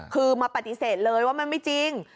คือมาปฏิเสธเลยว่ามันไม่จริง